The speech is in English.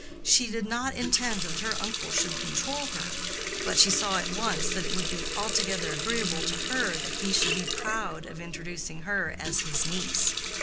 She did not intend that her uncle should control her, but she saw at once that it would be altogether agreeable to her that he should be proud of introducing her as his niece.